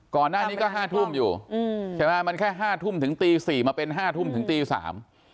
ก่อนหน้านี้ก็ห้าทุ่มอยู่อืมใช่ไหมมันแค่ห้าทุ่มถึงตีสี่มาเป็นห้าทุ่มถึงตีสาม